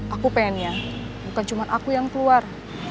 aku pengennya bukan cuma aku yang keluar